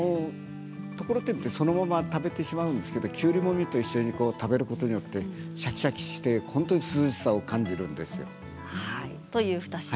ところてんってそのまま食べてしまうんですけどきゅうりもみと一緒に食べることで、シャキシャキして本当に涼しさを感じるんですよ。